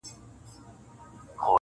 • انساني وجدان ګډوډ پاتې کيږي تل..